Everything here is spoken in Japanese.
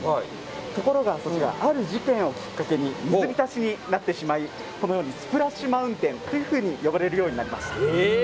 ところがある事件をきっかけに水浸しになってしまいこのようにスプラッシュ・マウンテンと呼ばれるようになりました。